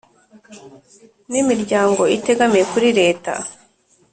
n imiryango itegamiye kuri Leta